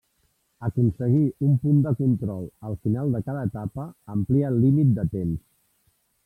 Aconseguir un punt de control al final de cada etapa amplia el límit de temps.